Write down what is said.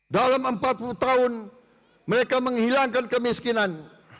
dalam empat puluh tahun mereka menghilangkan kemiskinan